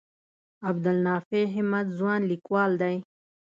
عبدالنافع همت ځوان لیکوال دی.